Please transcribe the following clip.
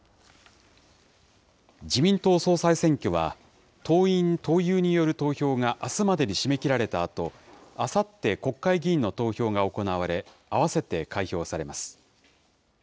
自民党総裁選挙は党員・党友による投票があすまでに締め切られたあと、あさって国会議員の投票が行われ、合わせて開票されます。